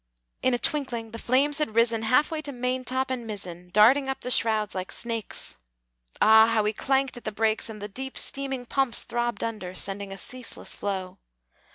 In a twinkling, the flames had risen Halfway to maintop and mizzen, Darting up the shrouds like snakes! Ah, how we clanked at the brakes, And the deep, steaming pumps throbbed under, Sending a ceaseless flow.